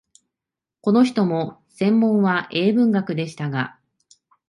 この人も専門は英文学でしたが、